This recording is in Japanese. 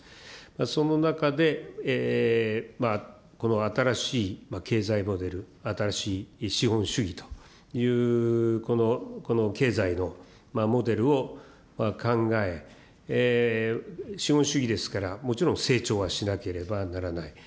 その中で、この新しい経済モデル、新しい資本主義という、この経済のモデルを考え、資本主義ですから、もちろん成長はしなければならない。